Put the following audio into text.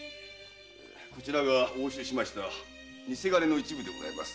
こちらが押収しました偽金の一部でございます。